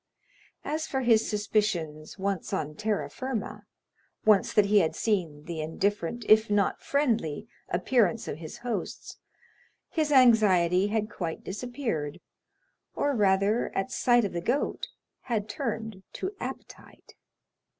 As for his suspicions, once on terra firma, once that he had seen the indifferent, if not friendly, appearance of his hosts, his anxiety had quite disappeared, or rather, at sight of the goat, had turned to appetite.